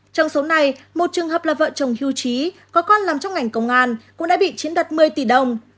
trong số này một trường hợp là vợ chồng hiêu trí có con làm trong ngành công an cũng đã bị chiếm đoạt một mươi tỷ đồng